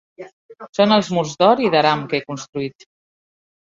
Són els murs d'or i d'aram que he construït